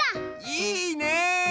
いいね！